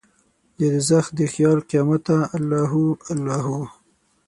ددوږخ د خیال قیامته الله هو، الله هو